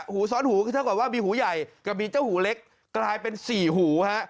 หูซ้อนหูคือเท่ากับว่ามีหูใหญ่กับมีเจ้าหูเล็กกลายเป็นสี่หูฮะ